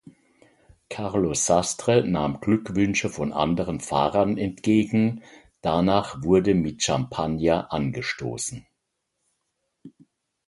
Carlos Sastre nahm Glückwünsche von anderen Fahrern entgegen, danach wurde mit Champagner angestoßen.